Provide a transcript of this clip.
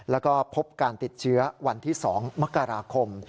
แล้วก็พบการติดเชื้อวันที่๒มกราคม